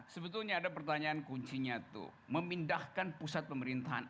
sebetulnya ada pertanyaan kuncinya tuh memindahkan pusat pemerintahan